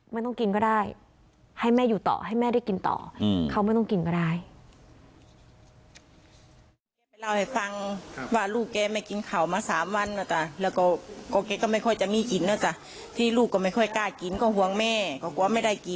ไม่ต้องกินก็ได้ให้แม่อยู่ต่อให้แม่ได้กินต่อเขาไม่ต้องกินก็ได้